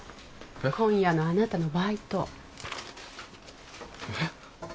今夜のあなたのバイトえッ？